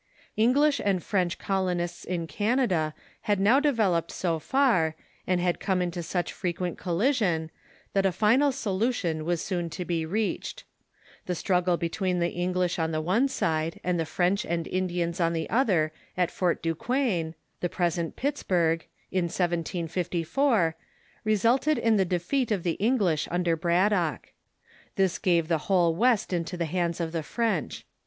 English and French colonists in Canada had now developed so far, and had come into such frequent collision, that a final solution was soon to be reached. The struggle between the EnGflish on the one side and the French and Indians on the 440 THE CHURCH IN THE UNITED STATES Other at Fort Duqucsne (the present Pittsburgh) in 1754 re sulted in the defeat of the English under Braddock. This gave the Avhole West into the hands of the French.